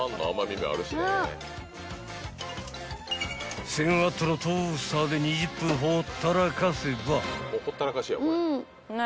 ［１，０００Ｗのトースターで２０分ほったらかせば］